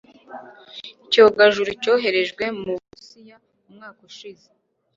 Icyogajuru cyoherejwe mu Burusiya umwaka ushize.